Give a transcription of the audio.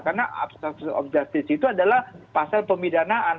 karena abstrak of justice itu adalah pasal pemidanaan